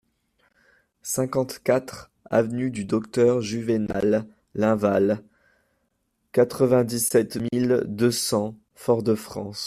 cinquante-quatre avenue du Docteur Juvénal Linval, quatre-vingt-dix-sept mille deux cents Fort-de-France